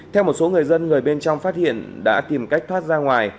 theo một số người dân người bên trong phát hiện đã tìm cách thoát ra ngoài